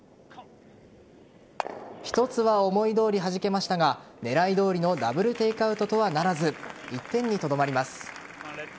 １つは思いどおりはじけましたが狙いどおりのダブルテークアウトとはならず１点にとどまります。